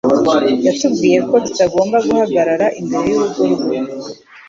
yatubwiye ko tutagomba guhagarara imbere y'urugo rwe.